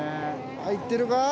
入ってるか？